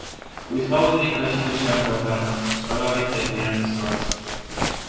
Kuid Hauseriga sidus Garbot armastus kalorite piiramise vastu.